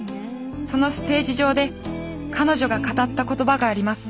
そのステージ上で彼女が語った言葉があります